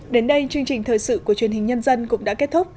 đến đây chương trình thời sự của truyền hình nhân dân cũng đã kết thúc